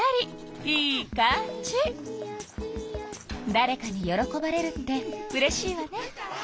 だれかに喜ばれるってうれしいわね。